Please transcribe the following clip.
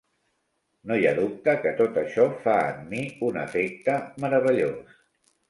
No hi ha dubte que tot això fa en mi un efecte meravellós.